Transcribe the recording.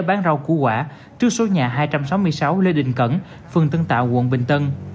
bán rau củ quả trước số nhà hai trăm sáu mươi sáu lê đình cẩn phường tân tạo quận bình tân